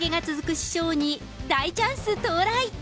師匠に、大チャンス到来。